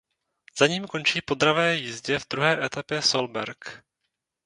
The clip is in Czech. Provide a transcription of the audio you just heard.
Za ním končí po dravé jízdě v druhé etapě Solberg.